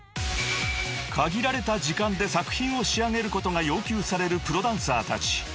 ［限られた時間で作品を仕上げることが要求されるプロダンサーたち］